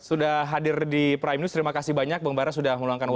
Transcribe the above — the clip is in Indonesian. sudah hadir di prime news terima kasih banyak bang bara sudah meluangkan waktu